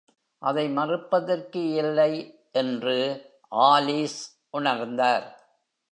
அதை மறுப்பதற்கில்லை என்று ஆலிஸ் உணர்ந்தார்.